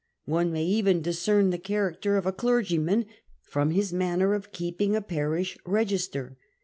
One may even discern the character of a clergyman from his manner of keeping a parish register.